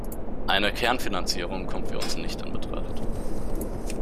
Eine Kernfinanzierung kommt für uns nicht in Betracht.